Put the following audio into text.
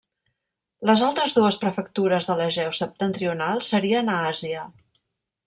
Les altres dues prefectures de l'Egeu septentrional serien a Àsia.